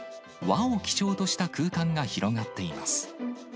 和を基調とした空間が広がっています。